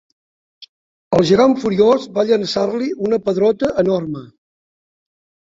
El gegant furiós va llançar-li una pedrota enorme.